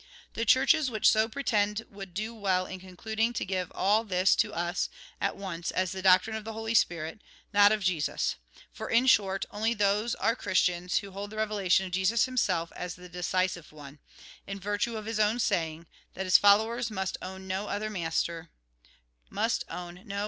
The Churches which so pretend would do well in concluding to give all this to us at once as the doctrine of the Holy Spirit, not of Jesus ; for, in short, only those are Christians who hold the revelation of Jesus himself as the decisive one, in virtue of his own saying, that his followers must own no other master than himself.